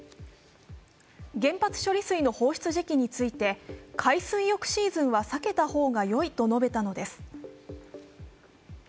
原発処理水の放出時期について海水浴シーズンは避けた方がよいと述べたのです。